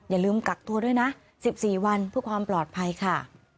อย่าลืมกักตัวด้วยนะ๑๔วันเพื่อความปลอดภัยค่ะ